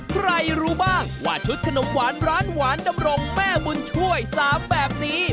ใครรู้บ้างว่าชุดขนมหวานร้านหวานดำรงแม่บุญช่วย๓แบบนี้